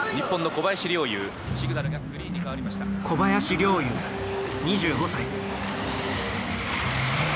小林陵侑２５歳。